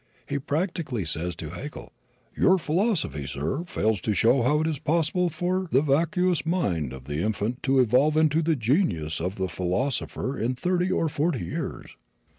He practically says to Haeckel, "Your philosophy, sir, fails to show how it is possible for the vacuous mind of the infant to evolve into the genius of the philosopher in thirty or forty years."